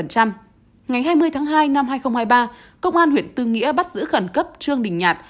ngày hai mươi tháng hai năm hai nghìn hai mươi ba công an huyện tư nghĩa bắt giữ khẩn cấp trương đình nhạt